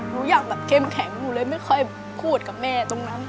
หนูอยากแบบเข้มแข็งหนูเลยไม่ค่อยพูดกับแม่ตรงนั้น